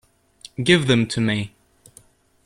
Give them to me.